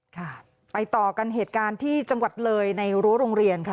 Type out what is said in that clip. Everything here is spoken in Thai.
ค่ะไปต่อกันเหตุการณ์ที่จังหวัดเลยในรั้วโรงเรียนค่ะ